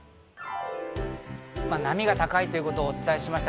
波が高いということをお伝えしました。